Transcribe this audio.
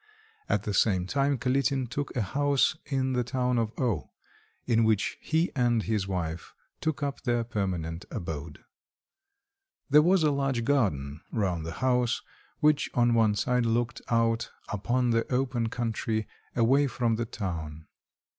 At the same time Kalitin took a house in the town of O , in which he and his wife took up their permanent abode. There was a large garden round the house, which on one side looked out upon the open country away from the town.